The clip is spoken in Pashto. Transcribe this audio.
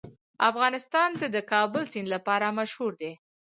افغانستان د د کابل سیند لپاره مشهور دی.